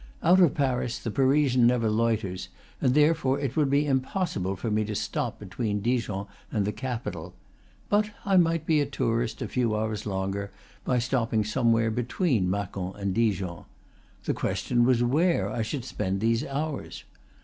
Out of Paris the Parisian never loiters, and therefore it would be impossible for me to stop between Dijon and the capital. But I might be a tourist a few hours longer by stopping somewhere between Macon and Dijon. The question was where I should spend these hours.